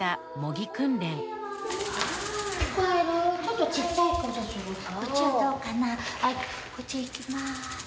こっちいきまーす！